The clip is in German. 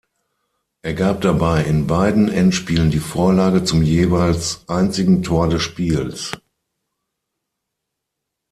Er gab dabei in beiden Endspielen die Vorlage zum jeweils einzigen Tor des Spiels.